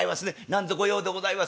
何ぞ御用でございますか？」。